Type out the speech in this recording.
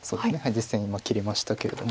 実戦今切りましたけども。